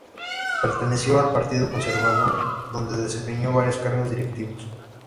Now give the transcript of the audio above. Perteneció al Partido Conservador, donde desempeñó varios cargos directivos.